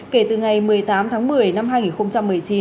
kể từ ngày một mươi tám tháng một mươi năm hai nghìn một mươi chín